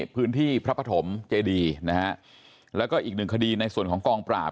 พื้นที่พระปฐมเจดีนะฮะแล้วก็อีกหนึ่งคดีในส่วนของกองปราบ